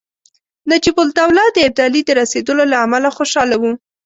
نجیب الدوله د ابدالي د رسېدلو له امله خوشاله وو.